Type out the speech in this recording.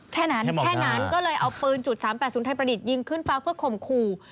แค่นั้นก็เลยเอาปืน๓๘๐ไทยประดิษฐ์ยิงขึ้นฟังเพื่อคมคู่